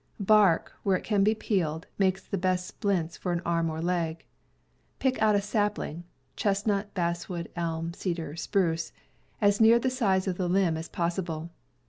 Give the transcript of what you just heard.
Bark, when it can be peeled, makes the best splints for an arm or leg. Pick out a sapling (chestnut, bass wood, elm, cedar, spruce) as near the size of the limb as possible.